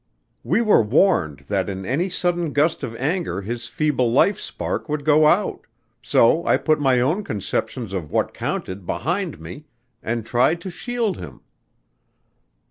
We were warned that in any sudden gust of anger his feeble life spark would go out, so I put my own conceptions of what counted behind me and tried to shield him."